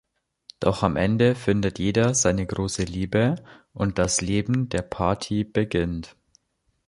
Doch am Ende findet jeder seine große Liebe und das Leben der Party beginnt.